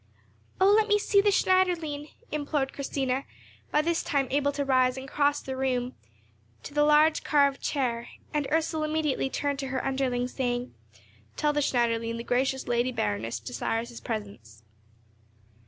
"Oh, let me see the Schneiderlein," implored Christina, by this time able to rise and cross the room to the large carved chair; and Ursel immediately turned to her underling, saying, "Tell the Schneiderlein that the gracious Lady Baroness desires his presence."